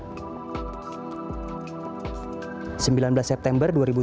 kami berhasil mencari tempat untuk mencari tempat untuk mencari tempat untuk mencari tempat